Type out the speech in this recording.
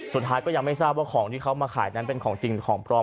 สุดท้ายก็ยังไม่ทราบว่าของที่เขามาขายนั้นเป็นของจริงของปลอม